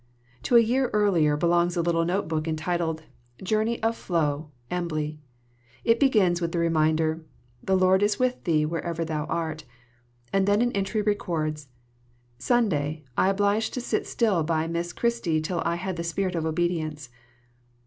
To a year earlier belongs a little note book, entitled "Journal of Flo, Embley." It begins with the reminder, "The Lord is with thee wherever thou art." And then an entry records, "Sunday, I obliged to sit still by Miss Christie till I had the spirit of obedience."